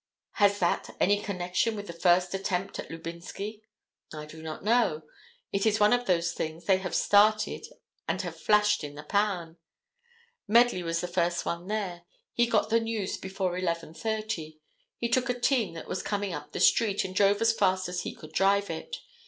Has that any connection with the first attempt at Lubinsky? I do not know. It is one of those things they have started and have flashed in the pan. Medley was the first one there. He got the news before 11:30. He took a team that was coming up the street, and drove as fast as he could drive it.